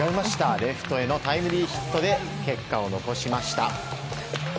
レフトへのタイムリーヒットで結果を残しました。